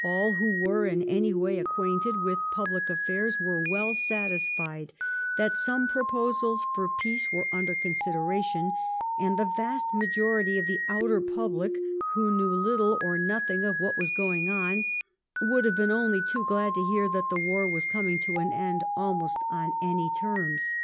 All who were in any way acquainted with public affairs were well satisfied that some proposals for peace were under consideration, and the vast majority of the outer public, who knew little or nothing of what was going on, would have been only too glad to hear that the war was coming to an end almost on any terms.